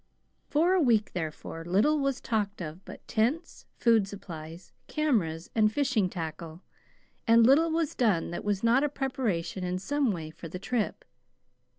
For a week, therefore, little was talked of but tents, food supplies, cameras, and fishing tackle, and little was done that was not a preparation in some way for the trip.